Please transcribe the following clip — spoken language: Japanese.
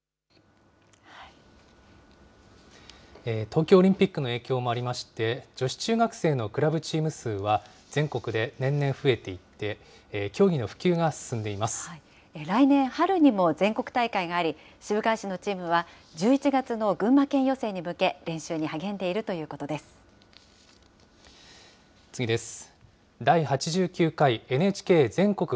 東京オリンピックの影響もありまして、女子中学生のクラブチーム数は、全国で年々増えていって、来年春にも全国大会があり、渋川市のチームは１１月の群馬県予選に向け、練習に励んでいると次です。